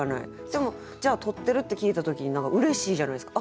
でもじゃあ「取ってる」って聞いた時に何かうれしいじゃないですか。